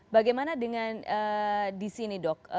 bagaimana dengan di sini dok